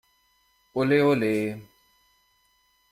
Olé, olé!